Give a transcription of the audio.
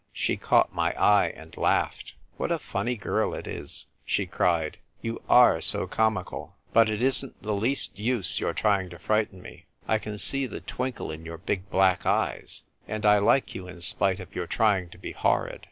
She caught my eye, and laughed. " What a funny girl it is !" she cried. "You arc so comical ! But it isn't the least use your trying to frighten me. I can see the twinkle in your big black eyes ; and I like you in spite of your trying to be horrid.